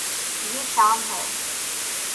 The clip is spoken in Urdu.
یے شام ہے